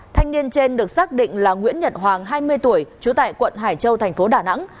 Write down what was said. thanh niên trên được xác định là nguyễn nhật hoàng hai mươi tuổi trú tại quận hải châu thành phố đà nẵng